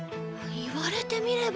言われてみれば。